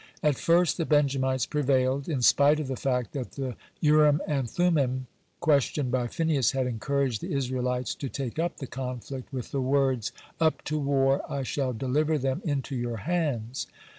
At first the Benjamites prevailed, in spit of the fact that the Urim and Thummim questioned by Phinehas had encouraged the Israelites to take up the conflict, with the words: "Up to war, I shall deliver them into your hands."